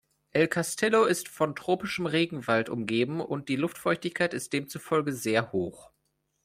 El Castillo ist von tropischem Regenwald umgeben und die Luftfeuchtigkeit ist demzufolge sehr hoch.